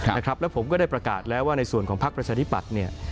แล้วผมก็ได้ประกาศแล้วว่าในส่วนของพักประชาธิปัตย์เนี่ย